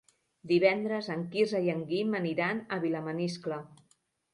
Divendres en Quirze i en Guim aniran a Vilamaniscle.